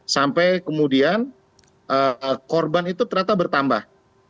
sampai kemudian korban itu ternyata bertambah